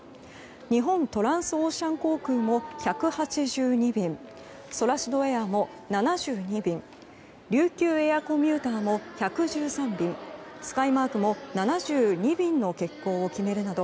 日本トランスオーシャン航空も１８２便ソラシドエアも７２便琉球エアーコミューターも１１３便スカイマークも７２便の欠航を決めるなど